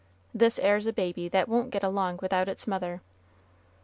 This 'ere's a baby that won't get along without its mother.